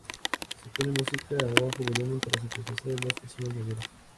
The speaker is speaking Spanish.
Se pone música a bajo volumen para satisfacer a las personas mayores.